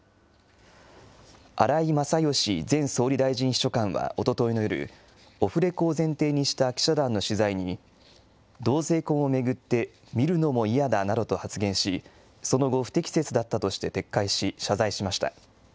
荒井勝喜前総理大臣秘書官はおとといの夜、オフレコを前提にした記者団の取材に、同性婚を巡って見るのも嫌だなどと発言し、その後、不適切だったとして撤回し、謝罪しました。